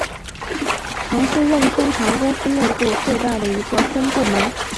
曾是任天堂公司内部最大的一个分部门。